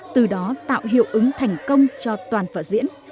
từ đó tạo hiệu ứng thành công cho toàn vở diễn